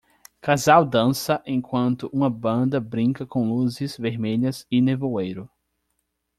Casal dança enquanto uma banda brinca com luzes vermelhas e nevoeiro.